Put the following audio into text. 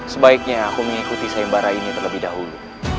sebaiknya aku mengikuti sayembara ini terlebih dahulu